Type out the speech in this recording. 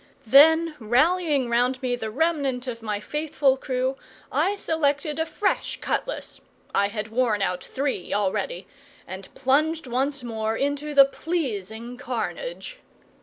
Then, rallying round me the remnant of my faithful crew, I selected a fresh cutlass (I had worn out three already) and plunged once more into the pleasing carnage.